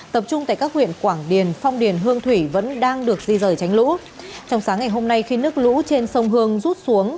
tập trung tại các huyện quảng điền phong điền hương thủy vẫn đang được di rời tránh lũ trong sáng ngày hôm nay khi nước lũ trên sông hương rút xuống